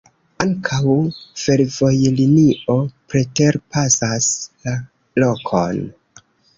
Ankaŭ fervojlinio preterpasas la lokon.